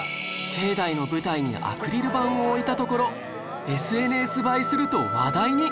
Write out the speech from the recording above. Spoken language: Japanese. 境内の舞台にアクリル板を置いたところ ＳＮＳ 映えすると話題に